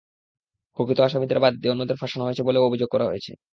প্রকৃত আসামিদের বাদ দিয়ে অন্যদের ফাঁসানো হয়েছে বলেও অভিযোগ করা হয়েছে।